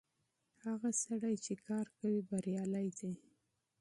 هغه سړی چې کار کوي بريالی دی.